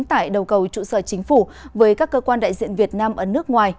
tại đầu cầu trụ sở chính phủ với các cơ quan đại diện việt nam ở nước ngoài